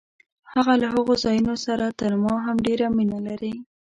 هغه له هغو ځایونو سره تر ما هم ډېره مینه لري.